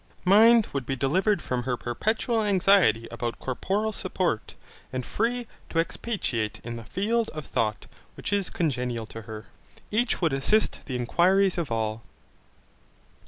Mind would be delivered from her perpetual anxiety about corporal support, and free to expatiate in the field of thought, which is congenial to her. Each would assist the inquiries of all.